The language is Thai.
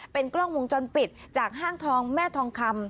เป็นกล้องวงจรปิดจากห้างทองแม่ทองคำ